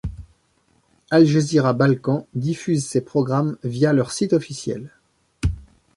Al Jazeera Balkans diffuse ses programmes via leur site officiel.